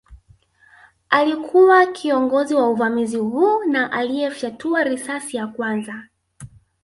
Alikuwa kiongozi wa uvamizi huu na aliyefyatua risasi ya kwanza